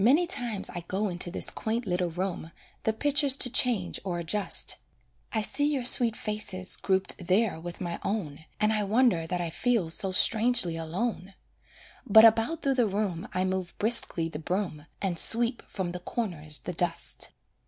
Many times I go into this quaint little room, The pictures to change or adjust; I see your sweet faces grouped there with my own, And I wonder that I feel so strangely alone; But about through the room I move briskly the broom, And sweep from the corners the dust.